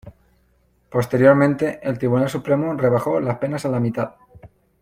Posteriormente, el Tribunal Supremo rebajó las penas a la mitad.